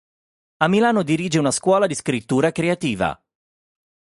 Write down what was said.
A Milano dirige una scuola di scrittura creativa.